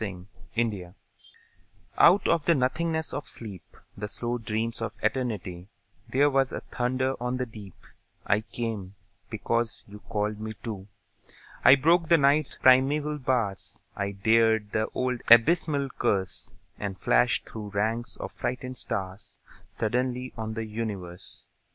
The Call Out of the nothingness of sleep, The slow dreams of Eternity, There was a thunder on the deep: I came, because you called to me. I broke the Night's primeval bars, I dared the old abysmal curse, And flashed through ranks of frightened stars Suddenly on the universe!